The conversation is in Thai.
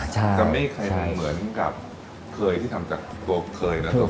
ใช่จะไม่เคยเหมือนกับเคยที่ทำจากตัวเคยนะครับ